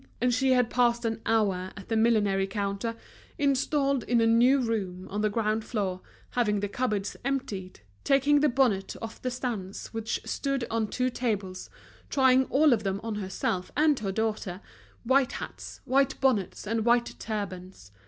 And she had passed an hour at the millinery counter, installed in a new room on the ground floor, having the cupboards emptied, taking the bonnets off the stands which stood on two tables, trying all of them on herself and her daughter, white hats, white bonnets, and white turbans.